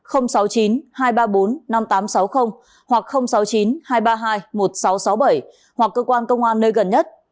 năm nghìn tám trăm sáu mươi hoặc sáu mươi chín hai trăm ba mươi hai một nghìn sáu trăm sáu mươi bảy hoặc cơ quan công an nơi gần nhất